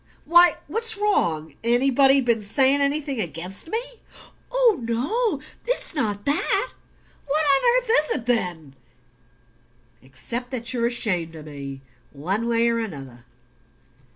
"Why, what's wrong? Anybody been saying anything against me?" "Oh, no. It's not that!" "What on earth is it, then except that you're ashamed of me, one way or another?"